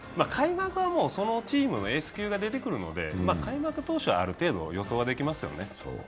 開幕はそのチームのエース級が出てくるので開幕投手は、ある程度、予想ができますよね。